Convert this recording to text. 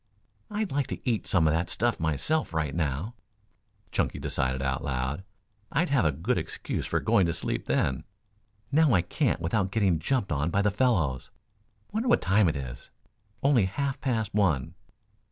"I'd like to eat some of that stuff myself, right now," Chunky decided out loud. "I'd have a good excuse for going to sleep then. Now I can't without getting jumped on by the fellows. Wonder what time it is only half past one.